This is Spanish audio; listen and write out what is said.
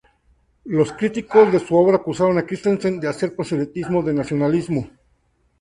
Los críticos de su obra acusaron a Christensen de hacer proselitismo del nacionalsocialismo.